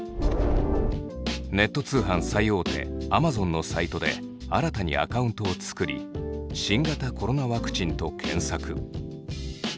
ネット通販最大手「アマゾン」のサイトで新たにアカウントを作り「新型コロナワクチン」と検索。